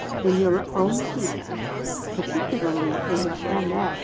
In your own pieces, particularly in your MS.